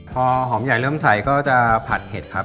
พอหอมใหญ่เริ่มใส่ก็จะผัดเห็ดครับ